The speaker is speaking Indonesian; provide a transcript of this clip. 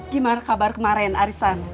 gimana kabar kemarin arisan